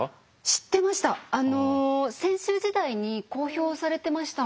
知ってました。